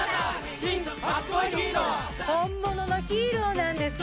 本物のヒーローなんです。